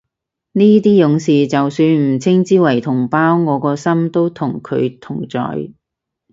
呢啲勇士就算唔稱之為同胞，我個心都同佢同在